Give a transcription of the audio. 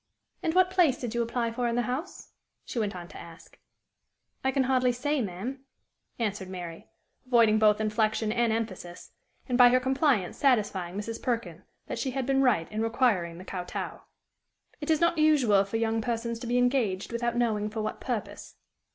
"And what place did you apply for in the house?" she went on to ask. "I can hardly say, ma'am," answered Mary, avoiding both inflection and emphasis, and by her compliance satisfying Mrs. Perkin that she had been right in requiring the kotou. "It is not usual for young persons to be engaged without knowing for what purpose."